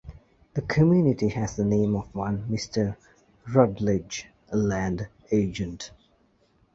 The community has the name of one Mr. Rutledge, a land agent.